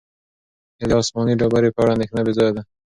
د دې آسماني ډبرې په اړه اندېښنه بې ځایه ده.